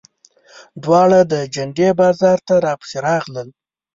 دواړه د جنډې بازار ته راپسې راغلل.